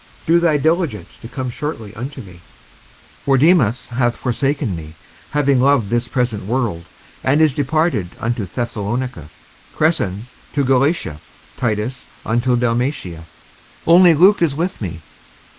55:004:009 Do thy diligence to come shortly unto me: 55:004:010 For Demas hath forsaken me, having loved this present world, and is departed unto Thessalonica; Crescens to Galatia, Titus unto Dalmatia. 55:004:011 Only Luke is with me.